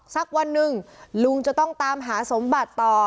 สักวันหนึ่งลุงจะต้องตามหาสมบัติต่อ